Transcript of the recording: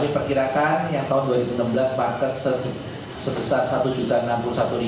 kami perkirakan yang tahun dua ribu enam belas market sebesar satu enam puluh satu